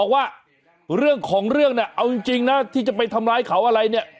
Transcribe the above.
ว่าเรื่องของเรื่องเนี่ยเอาจริงนะที่จะไปทำร้ายเขาอะไรเนี่ย